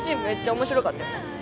めっちゃ面白かったよね。